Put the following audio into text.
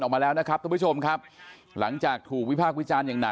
ออกมาแล้วนะครับทุกผู้ชมครับหลังจากถูกวิบากวิจารณ์